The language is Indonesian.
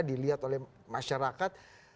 dilihat oleh masyarakat